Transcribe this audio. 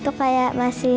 itu kayak masalah